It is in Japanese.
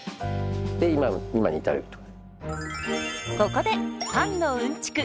ここでパンのうんちく